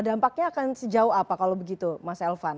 dampaknya akan sejauh apa kalau begitu mas elvan